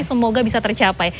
semoga bisa tercapai